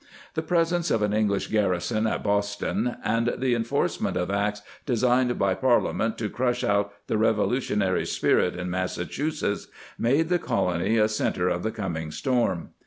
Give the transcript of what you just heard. The presence of an English garrison at Boston, and the enforcement of acts designed by Parlia ment to crush out the revolutionary spirit in Massachusetts, made the colony a centre of the coming storm.